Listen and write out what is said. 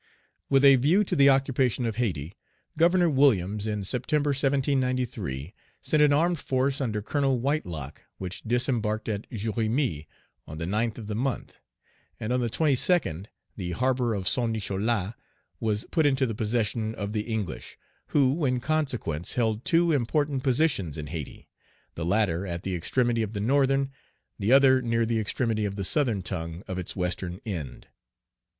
With a view to the occupation of Hayti, Governor Williams, in September, 1793, sent an armed force under Colonel Whitelocke, which disembarked at Jérémie, on the 9th of the month, and on the 22d, the harbor of Saint Nicholas was put into the possession of the English, who, in consequence, held two important positions in Hayti, the latter at the extremity of the northern, the other near the extremity of the southern tongue of its western end.